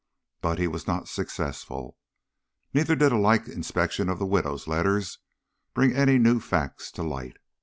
But he was not successful. Neither did a like inspection of the widow's letters bring any new facts to light.